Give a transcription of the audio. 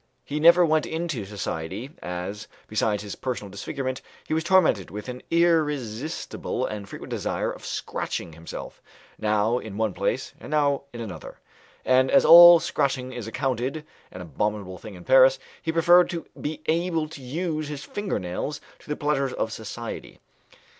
He never went into society, as, besides his personal disfigurement, he was tormented with an irresistible and frequent desire of scratching himself, now in one place, and now in another; and as all scratching is accounted an abominable thing in Paris, he preferred to be able to use his fingernails to the pleasures of society.